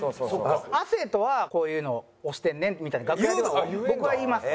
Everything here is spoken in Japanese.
亜生とは「こういうの推してんねん」みたいなの楽屋では僕は言います。